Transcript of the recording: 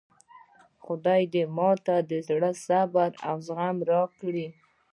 خدایه ته ماته د زړه صبر او زغم راکړي